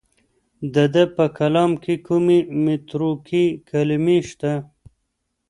د ده په کلام کې کومې متروکې کلمې شته؟